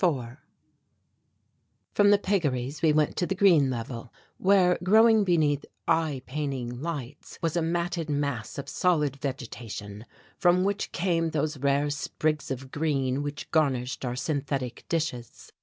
~4~ From the piggeries, we went to the green level where, growing beneath eye paining lights, was a matted mass of solid vegetation from which came those rare sprigs of green which garnished our synthetic dishes.